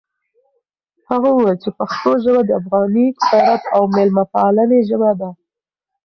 هغه وویل چې پښتو ژبه د افغاني غیرت او مېلمه پالنې ژبه ده.